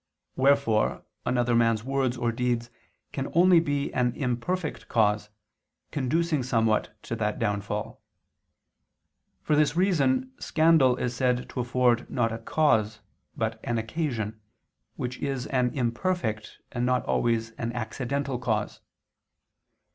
Wherefore another man's words or deeds can only be an imperfect cause, conducing somewhat to that downfall. For this reason scandal is said to afford not a cause, but an occasion, which is an imperfect, and not always an accidental cause.